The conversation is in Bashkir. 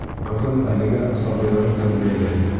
Ҡыҙым әлегә сабыйҙарын тәрбиәләй.